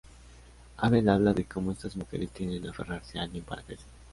Abel habla de cómo estas mujeres tienden a aferrarse a alguien para crecer.